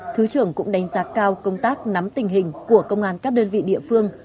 thứ trưởng cũng đánh giá cao công tác nắm tình hình của công an các đơn vị địa phương